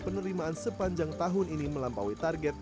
penerimaan sepanjang tahun ini melampaui target